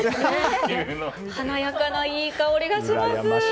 華やかないい香りがします。